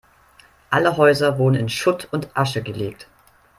Alle Häuser wurden in Schutt und Asche gelegt.